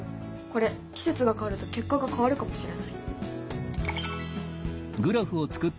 これ季節が変わると結果が変わるかもしれない。